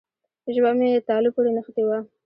ژبه مې تالو پورې نښتې وه.